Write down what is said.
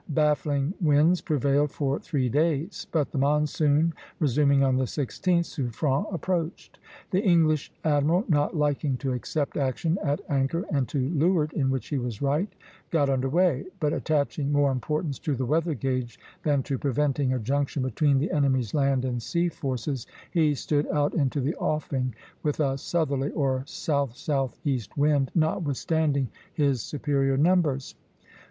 Baffling winds prevailed for three days; but the monsoon resuming on the 16th, Suffren approached. The English admiral not liking to accept action at anchor, and to leeward, in which he was right, got under way; but attaching more importance to the weather gage than to preventing a junction between the enemy's land and sea forces, he stood out into the offing with a southerly, or south southeast wind, notwithstanding his superior numbers.